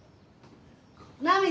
涙？